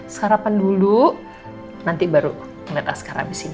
sarapan dulu nanti baru ngeliat askar abis ini